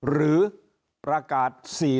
หรือประกาศ๔๔